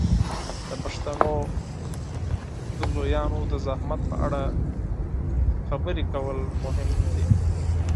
د پښتو د زویانو د زحمت په اړه خبرې کول مهم دي.